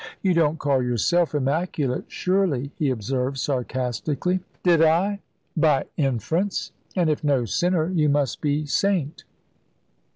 "You don't call yourself immaculate, surely," he observed sarcastically. "Did I?" "By inference; and if no sinner, you must be saint."